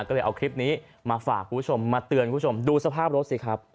ก็เลยเอาคลิปนี้มาฝากคุณผู้ชมมาเตือนคุณผู้ชมดูสภาพรถสิครับ